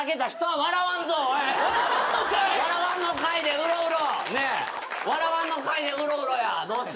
「笑わんのかい」でうろうろ。